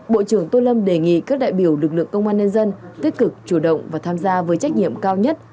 bộ trưởng tô lâm đề nghị các đại biểu lực lượng công an nhân dân tích cực chủ động và tham gia với trách nhiệm cao nhất